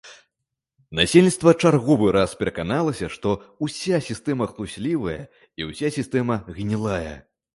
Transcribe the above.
Насельніцтва чарговы раз пераканалася, што ўся сістэма хлуслівая і ўся сістэма гнілая.